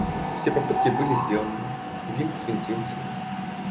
Все попытки были сделаны, винт свинтился.